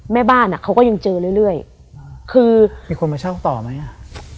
แม่บ้านอ่ะเขาก็ยังเจอเรื่อยเรื่อยคือมีคนมาเช่าต่อไหมอ่ะ